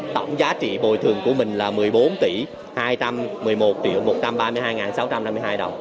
tổng giá trị bồi thường của mình là một mươi bốn tỷ hai trăm một mươi một một trăm ba mươi hai sáu trăm năm mươi hai đồng